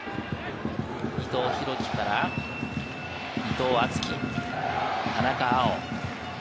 伊藤洋輝から伊藤敦樹、田中碧。